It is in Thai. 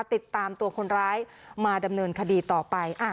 ติดตามตัวคนร้ายมาดำเนินคดีต่อไป